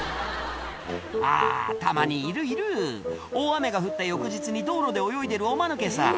あぁたまにいるいる大雨が降った翌日に道路で泳いでるおマヌケさん